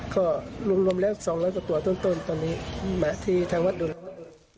ก็รวมแล้ว๒๐๐กว่าตัวต้นตอนนี้ที่ทางวัดดูแล้ว